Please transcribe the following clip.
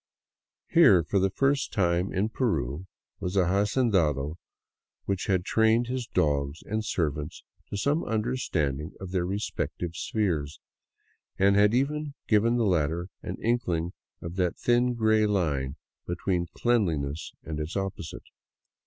Here, for the first time in Peru, was an hacendado who had trained his dogs and servants to some understanding of their respective spheres, and had even given the latter an inkling of that thin, gray line between cleanliness and its opposite.